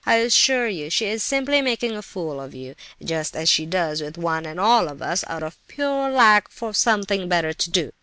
I assure you, she is simply making a fool of you, just as she does with one and all of us out of pure lack of something better to do.